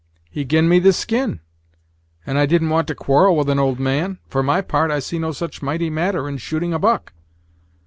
"He gi'n me the skin, and I didn't want to quarrel with an old man; for my part, I see no such mighty matter in shooting a buck!"